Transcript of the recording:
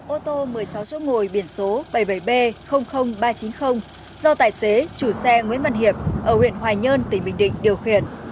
ô tô một mươi sáu chỗ ngồi biển số bảy mươi bảy b ba trăm chín mươi do tài xế chủ xe nguyễn văn hiệp ở huyện hoài nhơn tỉnh bình định điều khiển